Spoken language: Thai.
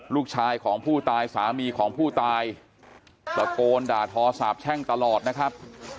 ลูกชายของผู้ตายสามีของผู้ตายตะโกนด่าทอสาบแช่งตลอดนะครับ